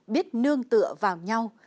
biết nương tựa vào nhau